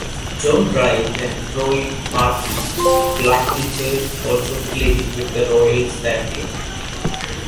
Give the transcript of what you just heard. John Wright and Roy Partlow, black pitchers, also played with the Royals that year.